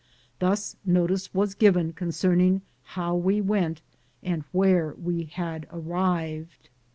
Thus notice was given concerning how we went and where we had arrived.